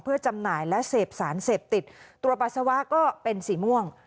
เพื่อจำหน่ายและเสพสารเสพติดตรวจปัสสาวะก็เป็นสีม่วง